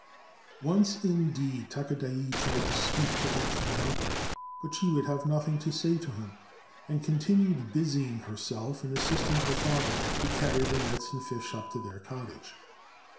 Once, indeed, Takadai tried to speak to O Kinu ; but she would have nothing to say to him, and continued busying herself in assisting her father to carry the nets and fish up to their cottage.